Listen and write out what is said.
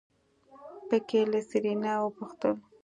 په کې له سېرېنا وپوښتل.